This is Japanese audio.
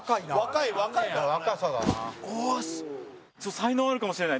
才能あるかもしれない。